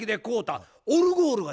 あオルゴールね。